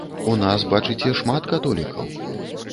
У нас, бачыце, шмат католікаў.